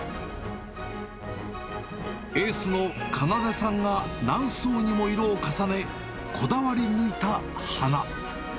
エースの奏さんが何層にも色を重ね、こだわり抜いた鼻。